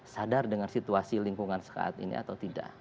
sadar dengan situasi lingkungan saat ini atau tidak